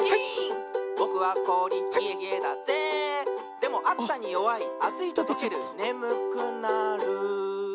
「でもあつさによわいあついととけるねむくなる」